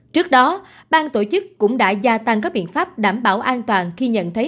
trước đó bang tổ chức cũng đã gia tăng các biện pháp đảm bảo an toàn khi nhận thấy